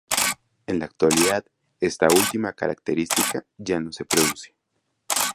En la actualidad esta última característica ya no se produce.